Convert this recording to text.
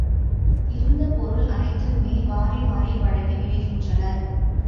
இருந்த பொருள் அத்தனையையுமே வாரி வாரி வழங்கி விடுகின்றனர்.